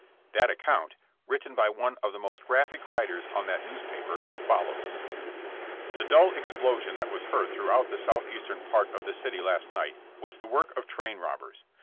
That account, written by one of the most graphic writers on that great newspaper, follows: The dull explosion that was heard throughout the southeastern part of the city last night was the work of train robbers.